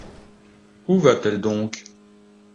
Où va-t-elle donc?